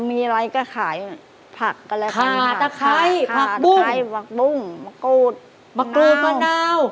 มีอะไรก็ขายผักก็แล้วกันค่ะขาตะไคร้ผักบุ้งมะกรูดมะนาว